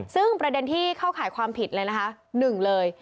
ซึ่งประเด็นที่เข้าข่ายความผิดเลยนะคะหนึ่งเลย